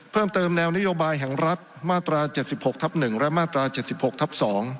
เพิ่มเติมแนวนโยบายแห่งรัฐมาตรา๗๖ทับ๑และมาตรา๗๖ทับ๒